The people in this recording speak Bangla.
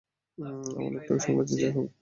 আমরা লোকটাকে সামলাছি, সে যেই হোক না কেন।